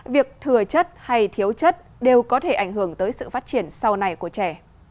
việc thừa chất hay thiếu chất đều có thể ảnh hưởng tới sự phát triển sau này của trẻ